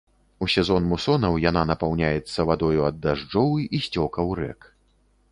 У сезон мусонаў яна напаўняецца вадою ад дажджоў і сцёкаў рэк.